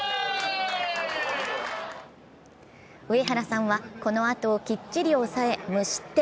上原さんは、このあとをきっちり抑え無失点。